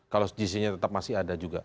kalau gc nya tetap masih ada juga